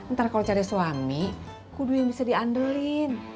ntar kalau cari suami kudu yang bisa diandelin